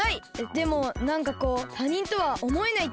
でもなんかこうたにんとはおもえないっていうか。